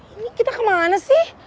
ini kita kemana sih